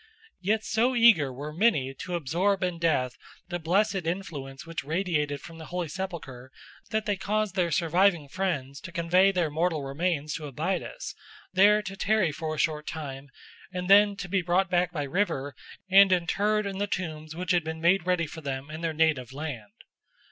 Yet so eager were many to absorb in death the blessed influence which radiated from the holy sepulchre that they caused their surviving friends to convey their mortal remains to Abydos, there to tarry for a short time, and then to be brought back by river and interred in the tombs which had been made ready for them in their native land.